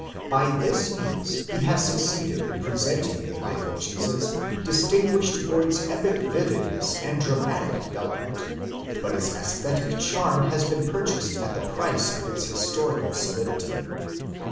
By this means he has succeeded in presenting a life of Jesus distin guished for its epic vividness and dramatic develop ment, but its esthetic charm has been purchased at the price of its historical solidity.